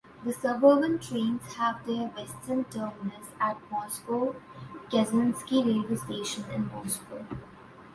The suburban trains have their western terminus at Moscow Kazansky railway station in Moscow.